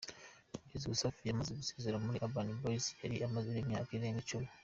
Kugeza ubu, Safi yamaze gusezera muri Urban Boys yari amazemo imyaka irenga icumi.